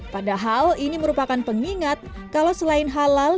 padahal ini merupakan pengingat kalau selain halal